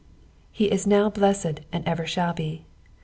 He is now blessed and ever shall be.